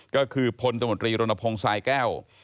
ก็คือพลตมตรีรณพงศ์สายแก้ว